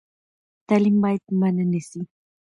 تعلیم باید منع نه سي.